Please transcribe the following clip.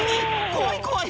怖い怖い！